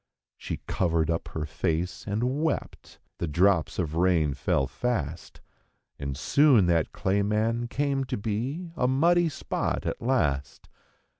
She covered up her face and wept; the drops of rain fell fast. And soon that clay man came to be a muddy spot at last.